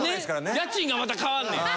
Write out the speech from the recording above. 家賃がまた変わんねん。